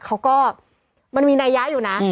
เขาก็มันมีนัยยะอยู่นะ